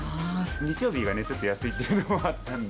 日曜日がね、ちょっと安いっていうのがあったんで。